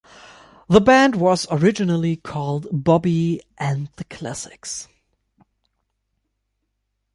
The band was originally called 'Bobby and the Classics'.